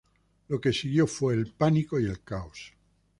Lo que siguió fue el pánico y el caos.